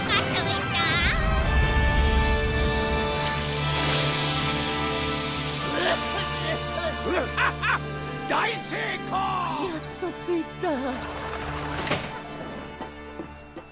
やっと着いた。